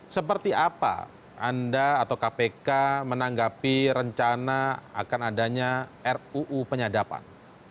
seperti apa anda atau kpk menanggapi rencana akan adanya ruu penyadapan